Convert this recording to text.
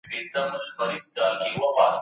چي د موهوبې سره دوې شپې پرلپسې تيري کړي.